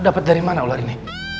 dapat dari mana ular ini